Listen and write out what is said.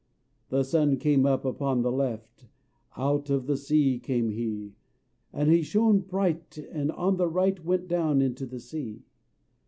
The Sun came up upon the left, Out of the sea came he! And he shone bright, and on the right Went down into the sea.